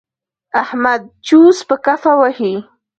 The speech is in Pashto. احمد چوس په کفه وهي.